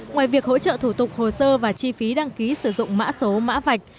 ngoài việc hỗ trợ thủ tục hồ sơ và chi phí đăng ký sử dụng mã số mã vạch